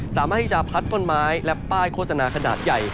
สามารถที่จะพัดต้นไม้และป้ายโฆษณาขนาดใหญ่